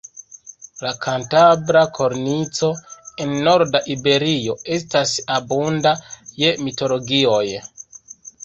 La Kantabra Kornico, en norda Iberio, estas abunda je mitologioj.